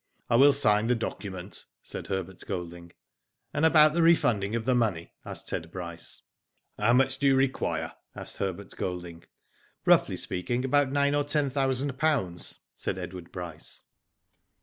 '' "I will sign the document," said Herbert Golding. *' And about the refunding of the money ?" asked Ted Bryce. How much do you require?" asked Herbert Golding. " Roughly speaking about nine or ten thousand pounds," said Edward Bryce.